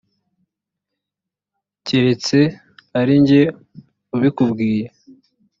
keretse ari jye ubikubwiye